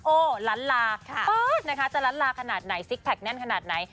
โอ้ล้านลาจะล้านลาขนาดไหนซิกแพคแน่นขนาดไหน